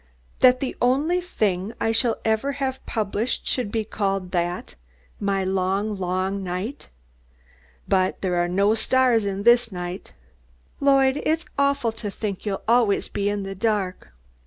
That the only thing I shall ever have published should be called that? My long, long night! But there are no stars in this night. Lloyd, it's awful to think you'll always be in the dark!"